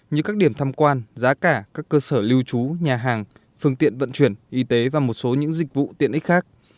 như các điểm thăm quan giá cả các cơ sở lưu trú nhà hàng phương tiện vận chuyển y tế và một số những dịch vụ tiện ích khác